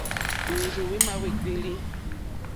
Hwérzù hwémá hwékpélí.